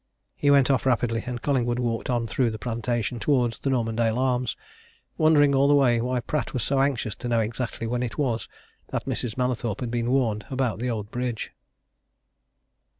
He went off rapidly, and Collingwood walked on through the plantation towards the Normandale Arms wondering, all the way, why Pratt was so anxious to know exactly when it was that Mrs. Mallathorpe had been warned about the old bridge.